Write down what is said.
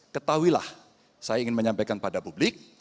ketahuilah saya ingin menyampaikan pada publik